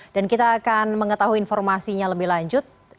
dan kita akan mengetahui informasinya lebih lanjut